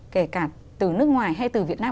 kể cả từ nước ngoài hay từ việt nam